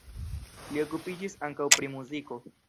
Li okupiĝis ankaŭ pri muziko.